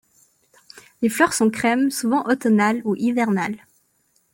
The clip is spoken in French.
Les fleurs sont crème, souvent automnales ou hivernales.